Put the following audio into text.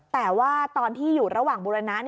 แต่ว่าตอนที่อยู่ระหว่างบูรณะ